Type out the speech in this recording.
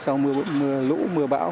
sau mưa lũ mưa bão